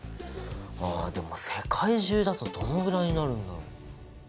あでも世界中だとどのくらいになるんだろう？